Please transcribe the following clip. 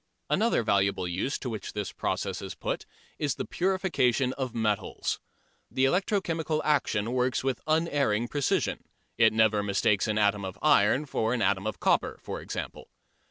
Another valuable use to which this process is put is the purification of metals. The electro chemical action works with unerring precision: it never mistakes an atom of iron for an atom of copper, for example.